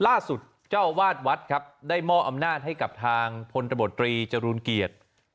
ล่าสุดเจ้าวาดวัดครับได้มอบอำนาจให้กับทางพลตบตรีจรูลเกียรติ